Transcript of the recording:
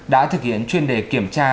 đã thực hiện chuyên đề kiểm tra